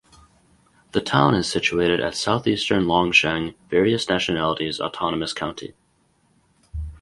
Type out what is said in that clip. The town is situated at southeastern Longsheng Various Nationalities Autonomous County.